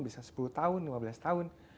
bisa sepuluh tahun lima belas tahun